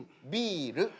「ビール」。